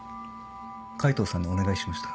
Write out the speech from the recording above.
海藤さんにお願いしました。